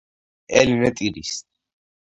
ელენე ტირის